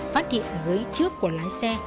phát hiện ghế trước của lái xe